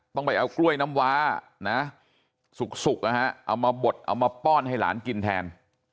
ต้องไปเอากล้วยน้ำวานะสุกนะฮะเอามาบดเอามาป้อนให้หลานกินแทน